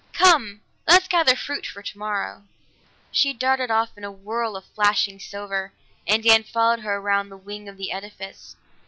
"Come! Let's gather fruit for tomorrow." She darted off in a whirl of flashing silver, and Dan followed her around the wing of the edifice.